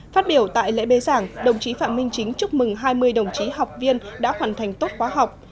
phát biểu tại lễ bế giảng đồng chí phạm minh chính chúc mừng hai mươi đồng chí học viên đã hoàn thành tốt quá học